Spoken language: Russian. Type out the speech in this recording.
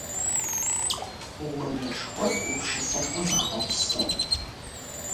Левин уже устал от напряжения мысли.